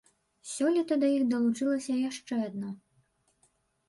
Сёлета да іх далучылася яшчэ адна.